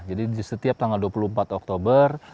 jadi setiap tanggal dua puluh empat oktober